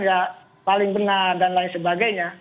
ya paling benar dan lain sebagainya